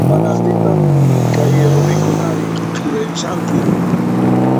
Imanaqtintaq kay rumikunari q'illuyashanku